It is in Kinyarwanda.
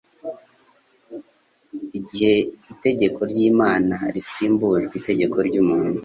Igihe itegeko ry'Imana risimbujwe itegeko ry'umuntu,